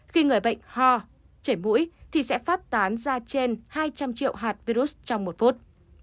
khi người bệnh ho chảy mũi thì sẽ phát tán ra trên hai trăm linh triệu hạt virus trong một phút